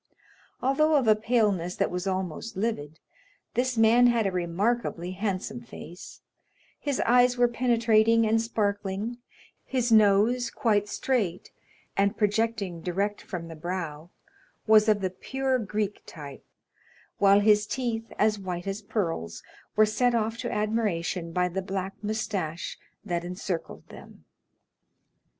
Although of a paleness that was almost livid, this man had a remarkably handsome face; his eyes were penetrating and sparkling; his nose, quite straight, and projecting direct from the brow, was of the pure Greek type, while his teeth, as white as pearls, were set off to admiration by the black moustache that encircled them.